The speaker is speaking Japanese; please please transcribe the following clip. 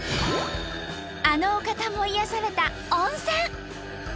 あのお方も癒やされた温泉。